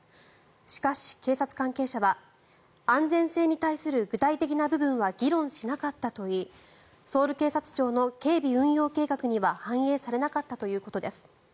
しかし、警察関係者は安全性に対する具体的な部分は議論しなかったといいソウル警察庁の警備運用計画には反映されなかったということです。